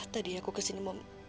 tadi aku kesini